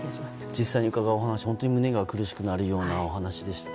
実際に伺ったお話は本当に胸が苦しくなるようなお話でした。